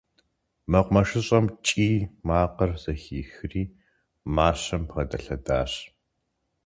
МэкъумэшыщӀэм кӀий макъыр зэхихри, мащэм бгъэдэлъэдащ.